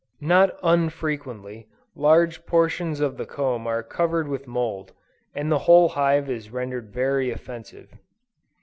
Not unfrequently, large portions of the comb are covered with mould, and the whole hive is rendered very offensive.